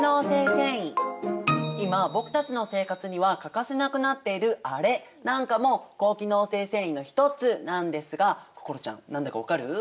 今僕たちの生活には欠かせなくなっているあれなんかも高機能性繊維の一つなんですが心ちゃん何だか分かる？